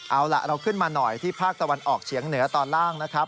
เอาล่ะเราขึ้นมาหน่อยที่ภาคตะวันออกเฉียงเหนือตอนล่างนะครับ